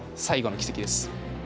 最後の奇跡です。